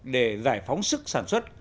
để giải phóng sức sản xuất